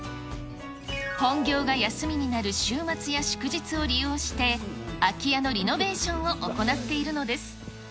本業が休みになる週末や祝日を利用して、空き家のリノベーションを行っているのです。